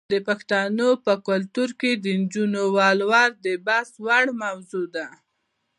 د پښتنو په کلتور کې د نجونو ولور د بحث وړ موضوع ده.